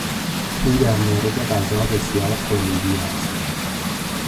او در مورد غذا بسیار خردهگیر است.